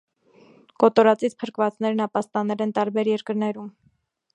Կոտորածից փրկվածներն ապաստանել են տարբեր երկրներում։